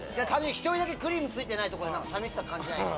１人だけクリームついてないとこで寂しさ感じないかな。